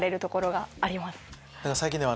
最近では。